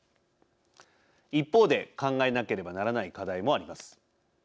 一方で考えなければならない課題もあります。